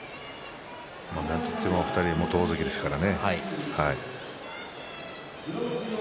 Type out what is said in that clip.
なんといっても２人は元大関ですからね。